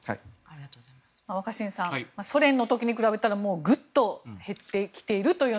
若新さんソ連の時に比べたらもうぐっと減ってきているという